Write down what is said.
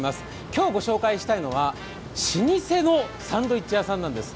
今日ご紹介したいのは老舗のサンドイッチ屋さんなんです。